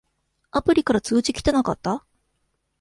アプリから通知きてなかった？